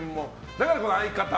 だから相方。